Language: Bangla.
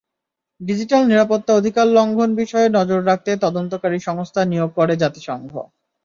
ডিজিটাল নিরাপত্তা অধিকার লঙ্ঘন বিষয়ে নজর রাখতে তদন্তকারী সংস্থা নিয়োগ করে জাতিসংঘ।